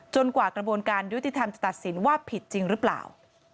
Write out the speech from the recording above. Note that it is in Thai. กว่ากระบวนการยุติธรรมจะตัดสินว่าผิดจริงหรือเปล่า